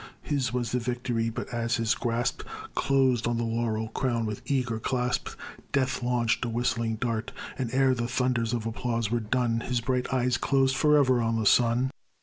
His was the victory; but as his grasp Closed on the laurel crown with eager clasp, Death launch'd a whistling dart; And ere the thunders of applause were done His bright eyes closed forever on the sun!